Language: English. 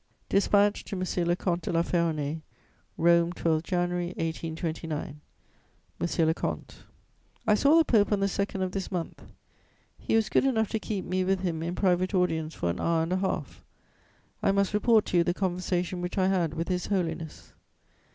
DISPATCH TO M. LE COMTE DE LA FERRONAYS "ROME, 12 January 1829. "MONSIEUR LE COMTE, "I saw the Pope on the 2nd of this month; he was good enough to keep me with him in private audience for an hour and a half. I must report to you the conversation which I had with His Holiness.